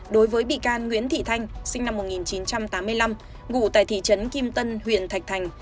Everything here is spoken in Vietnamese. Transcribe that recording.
đối với bị can nguyễn thị thanh sinh năm một nghìn chín trăm tám mươi năm ngụ tại thị trấn kim tân huyện thạch thành